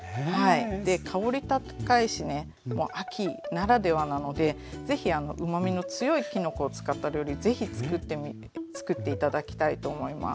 で香り高いしねもう秋ならではなのでぜひうまみの強いきのこを使った料理ぜひつくって頂きたいと思います。